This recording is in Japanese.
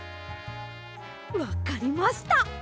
わかりました！